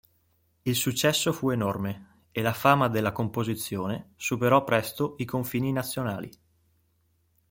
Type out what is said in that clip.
Il successo fu enorme e la fama della composizione superò presto i confini nazionali.